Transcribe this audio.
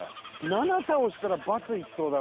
７倒したら罰いきそうだ